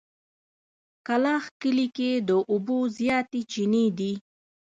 کلاخ کلي کې د اوبو زياتې چينې دي.